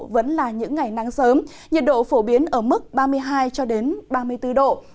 vẫn là những ngày nắng sớm nhiệt độ phổ biến ở mức ba mươi hai ba mươi bốn độ